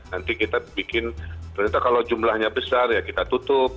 nanti kita bikin ternyata kalau jumlahnya besar ya kita tutup